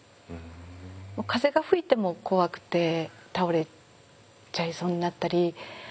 風が吹いても怖くて倒れちゃいそうになったり。